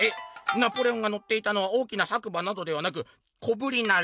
ナポレオンがのっていたのは大きな白馬などではなく小ぶりなラバ。